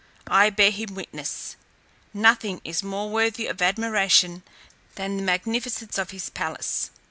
I bear him witness. Nothing is more worthy of admiration than the magnificence of his palace.